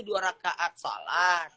dua rakaat salat